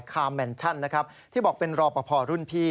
คาร์มแมนชั่นที่บอกเป็นรอปภพรุ่นพี่